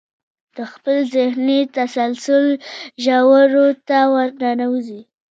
د خپل ذهني تسلسل ژورو ته ورننوځئ.